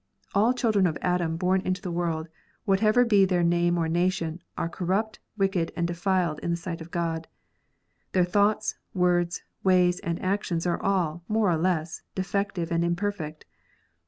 All children of Adam bom into the world, whatever be their name or nation, are corrupt, wicked, and defiled in the sight of God. Their thoughts, words, ways, and actions are all, more or less, defective and imperfect.